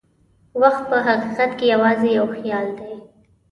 وخت په حقیقت کې یوازې یو خیال دی.